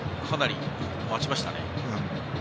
かなり待ちましたね。